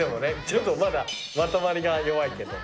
ちょっとまだまとまりが弱いけど。